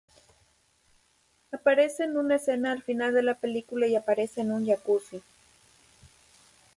Aparece en una escena al final de la película y aparece en un jacuzzi.